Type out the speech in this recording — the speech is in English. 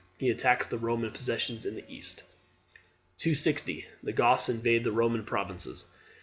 He attacks the Roman possessions in the East. 260. The Goths invade the Roman provinces.